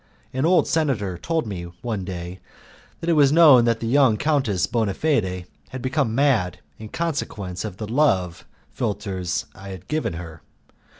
An old senator told me, one day, that it was known that the young Countess Bonafede had become mad in consequence of the love philtres I had given her.